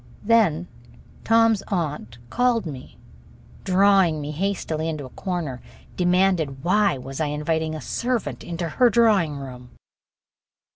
Then Tom's aunt called me and, drawing me hastily into a corner, demanded why I was inviting a servant into her drawing room.